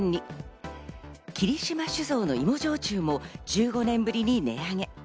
霧島酒造の芋焼酎も１５年ぶりに値上げ。